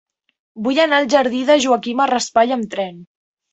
Vull anar al jardí de Joaquima Raspall amb tren.